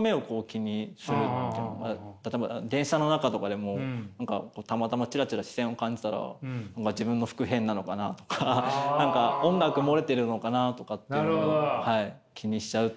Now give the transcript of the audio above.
例えば電車の中とかでも何かたまたまチラチラ視線を感じたら自分の服変なのかなとか何か音楽漏れてるのかなとかというのは気にしちゃう。